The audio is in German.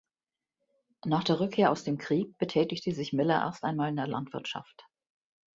Nach der Rückkehr aus dem Krieg betätigte sich Miller erst einmal in der Landwirtschaft.